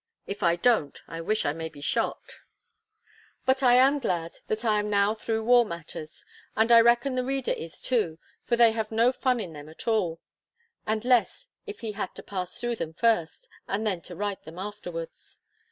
If I don't, I wish I may be shot. But I am glad that I am now through war matters, and I reckon the reader is too, for they have no fun in them at all; and less if he had had to pass through them first, and then to write them afterwards.